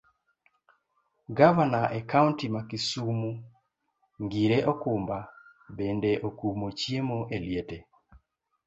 Gavana e kaunti ma kisumu ngire Okumba bende okumo chiemo e liete.